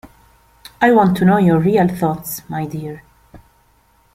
I want to know your real thoughts, my dear.